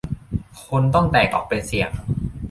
คนต้องแตกออกเป็นเสี่ยง